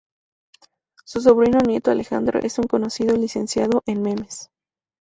Su sobrino-nieto Alejandro, es un conocido licenciado en memes.